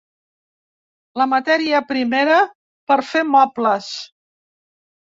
La matèria primera per fer mobles.